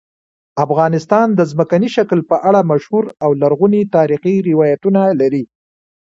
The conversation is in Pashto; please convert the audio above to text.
افغانستان د ځمکني شکل په اړه مشهور او لرغوني تاریخی روایتونه لري.